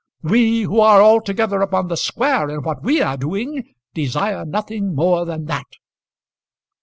We, who are altogether upon the square in what we are doing, desire nothing more than that."